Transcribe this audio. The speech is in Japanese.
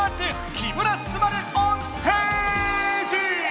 「木村昴オンステージ」！